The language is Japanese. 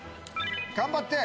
頑張って！